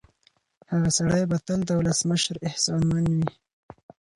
هغه سړی به تل د ولسمشر احسانمن وي.